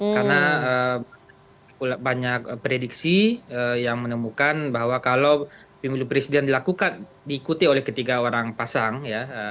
karena banyak prediksi yang menemukan bahwa kalau pemilih presiden dilakukan diikuti oleh ketiga orang pasang ya